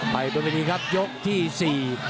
ไปตรงนี้ครับยกที่๔